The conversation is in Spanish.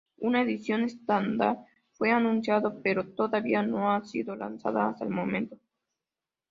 Una edición estándar fue anunciado, pero todavía no ha sido lanzada hasta el momento.